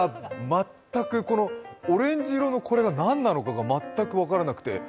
オレンジ色のこれが何か全く分からなくて。